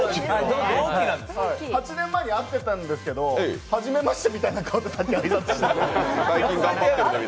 ８年前に会ってたんですけど初めましてみたいな顔でさっき挨拶してた。